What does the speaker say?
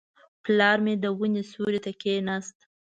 پلار مې د ونې سیوري ته کښېناست.